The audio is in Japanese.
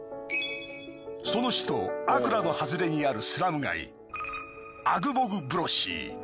その首都アクラの外れにあるスラム街アグボグブロシー。